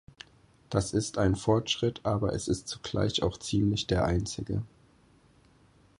Das ist ein Fortschritt, aber es ist zugleich auch ziemlich der einzige.